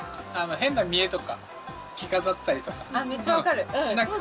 変な見えとか着飾ったりとかしなくていい。